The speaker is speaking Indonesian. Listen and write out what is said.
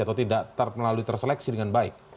atau tidak melalui terseleksi dengan baik